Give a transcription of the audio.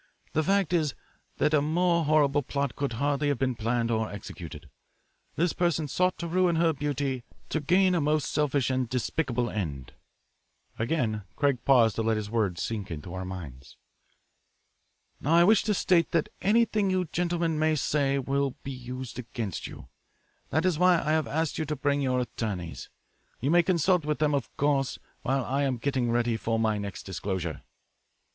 The fact is that a more horrible plot could hardly have been planned or executed. This person sought to ruin her beauty to gain a most selfish and despicable end." Again Craig paused to let his words sink into our minds. "Now I wish to state that anything you gentlemen may say will be used against you. That is why I have asked you to bring your attorneys. You may consult with them, of course, while I am getting ready my next disclosure."